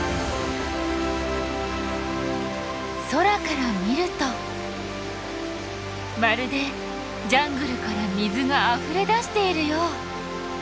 空から見るとまるでジャングルから水があふれ出しているよう。